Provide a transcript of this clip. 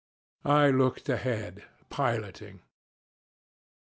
I looked ahead piloting.